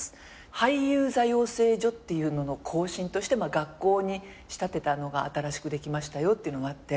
俳優座養成所っていうのの後身として学校に仕立てたのが新しくできましたよっていうのがあって。